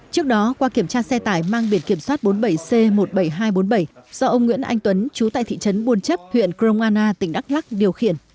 trước đó qua kiểm tra xe tải mang biển kiểm soát bốn mươi bảy c một mươi bảy nghìn hai trăm bốn mươi bảy do ông nguyễn anh tuấn chú tại thị trấn buôn chấp huyện kroana tỉnh đắk lắc điều khiển